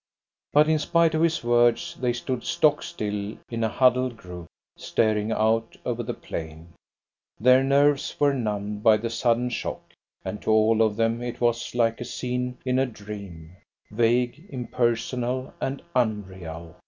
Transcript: But in spite of his words, they stood stock still, in a huddled group, staring out over the plain. Their nerves were numbed by the sudden shock, and to all of them it was like a scene in a dream, vague, impersonal, and un real.